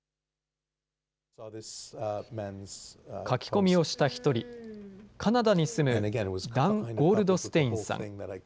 書き込みをした一人、カナダに住むダン・ゴールドステインさん。